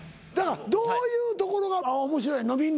どういうところが面白い伸びんねん。